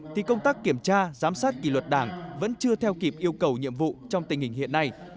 thì công tác kiểm tra giám sát kỳ luật đảng vẫn chưa theo kịp yêu cầu nhiệm vụ trong tình hình hiện nay